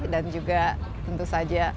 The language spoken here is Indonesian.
dan juga tentu saja